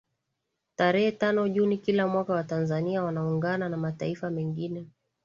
Tarehe tano Juni kila mwaka Watanzania wanaungana na mataifa mengine